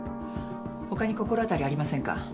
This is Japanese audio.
他に心当たりありませんか？